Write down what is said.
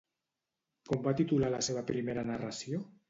Com va titular la seva primera narració?